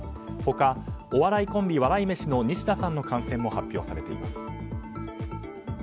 他、お笑いコンビ笑い飯の西田さんの感染も発表されています。